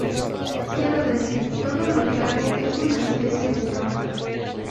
Quiero decir, todo lo que hago es una especie de broma.